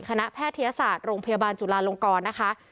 แพทยศาสตร์โรงพยาบาลจุลาลงกรนะคะ